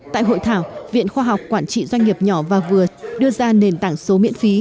tại hội thảo viện khoa học quản trị doanh nghiệp nhỏ và vừa đưa ra nền tảng số miễn phí